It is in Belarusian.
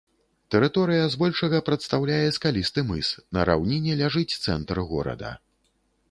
Тэрыторыя збольшага прадстаўляе скалісты мыс, на раўніне ляжыць цэнтр горада.